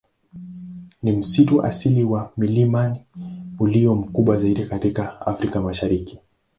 Ni msitu asili wa milimani ulio mkubwa zaidi katika Afrika Mashariki.